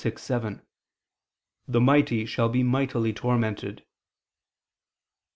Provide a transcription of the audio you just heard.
6:7: "The mighty shall be mightily tormented."